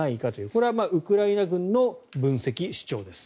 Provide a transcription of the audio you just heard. これはウクライナ軍の分析・主張です。